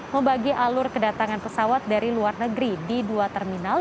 membagi alur kedatangan pesawat dari luar negeri di dua terminal